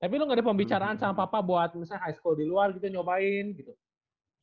tapi lu gak ada pembicaraan sama papa buat misalnya high school di luar gitu nyobain gitu